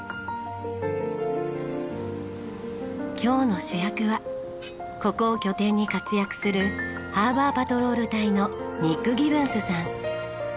今日の主役はここを拠点に活躍するハーバーパトロール隊のニック・ギブンスさん。